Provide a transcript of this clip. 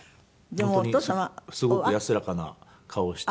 本当にすごく安らかな顔をして。